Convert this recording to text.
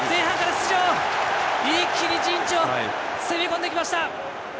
一気に陣地に攻め込んできました。